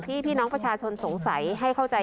พี่น้องประชาชนสงสัยให้เข้าใจ